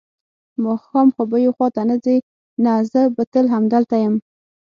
ماښام خو به یو خوا ته نه ځې؟ نه، زه به تل همدلته یم.